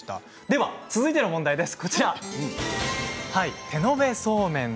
では続いての問題です。